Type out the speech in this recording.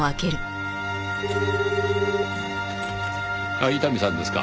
あっ伊丹さんですか。